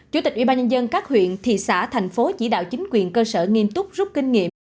chủ tịch ủy ban nhân dân các huyện thị xã thành phố chỉ đạo chính quyền cơ sở nghiên túc rút kinh nghiệm